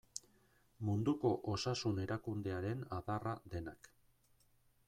Munduko Osasun Erakundearen adarra denak.